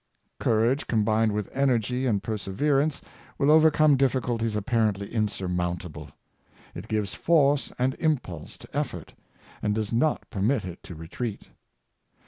Courage, combined with energy and perseverance, will overcome difficulties apparentl}' insurmountable. It gives force and impulse to effort, and does not per mit it to retrea^t.